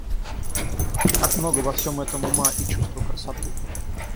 Как много во всем этом ума и чувства красоты!